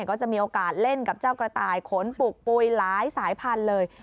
ก็จะมีโอกาสเล่นกับเจ้ากระต่ายขนปลูกปุ๋ยหลายสายพันธุ์เลย